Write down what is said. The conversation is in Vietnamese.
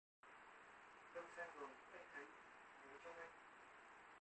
Đông sang rồi anh thấy nhớ trong anh